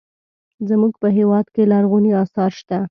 زموږ په هېواد کې لرغوني اثار شته.